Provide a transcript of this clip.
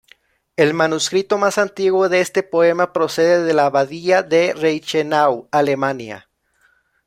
El manuscrito más antiguo de este poema procede de la Abadía de Reichenau, Alemania.